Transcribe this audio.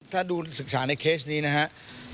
ถ้าดูศึกษาในเคสนี้นะครับ